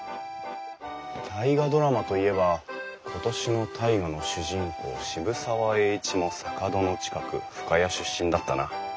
「大河ドラマ」と言えば今年の「大河」の主人公渋沢栄一も坂戸の近く深谷出身だったな。